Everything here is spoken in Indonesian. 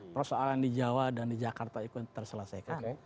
persoalan di jawa dan di jakarta itu terselesaikan